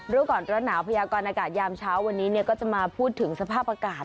รู้ก่อนร้อนหนาวพยากรอากาศยามเช้าวันนี้ก็จะมาพูดถึงสภาพอากาศ